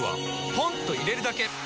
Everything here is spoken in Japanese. ポンと入れるだけ！